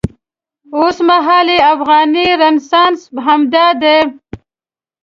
اوسمهالی افغاني رنسانس همدا دی.